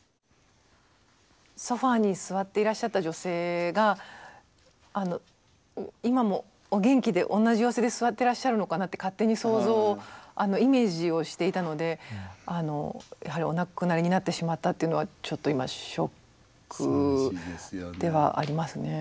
ソファーに座っていらっしゃった女性があの今もお元気で同じ様子で座ってらっしゃるのかなって勝手に想像をイメージをしていたのであのやはりお亡くなりになってしまったっていうのはちょっと今ショックではありますね。